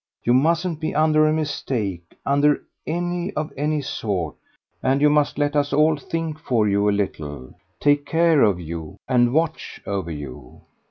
You mustn't be under a mistake under any of any sort; and you must let us all think for you a little, take care of you and watch over you.